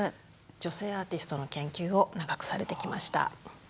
女性アーティストの研究を長くされてきました。